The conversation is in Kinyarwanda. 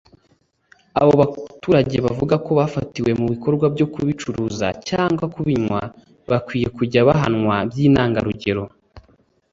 Abo baturage bavuga ko abafatiwe mu bikorwa byo kubicuruza cyangwa kubinywa bakwiye kujya bahanwa by’intangarugero